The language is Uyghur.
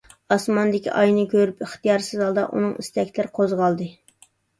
ئاسماندىكى ئاينى كۆرۈپ ئىختىيارسىز ھالدا ئۇنىڭ ئىستەكلىرى قوزغالدى.